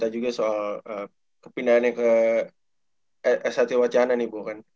ko jj udah cerita juga soal kepindahannya ke satya wacana nih bu kan